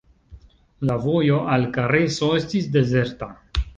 La vojo al Kareso estis dezerta.